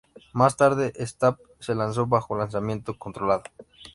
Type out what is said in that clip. Más tarde, Stapp se lanzó bajo lanzamiento controlado.